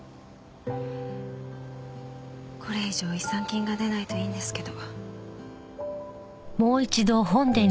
これ以上違算金が出ないといいんですけど。